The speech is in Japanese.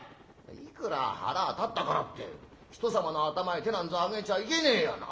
いくら腹立ったからってひとさまの頭へ手なんざ上げちゃいけねえやな。